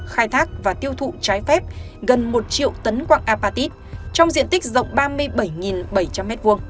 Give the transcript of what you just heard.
khai thác và tiêu thụ trái phép gần một triệu tấn quạng apatit trong diện tích rộng ba mươi bảy bảy trăm linh m hai